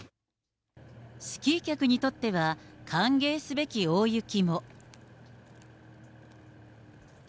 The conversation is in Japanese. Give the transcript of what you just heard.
スキー客にとっては、歓迎すべき大雪も。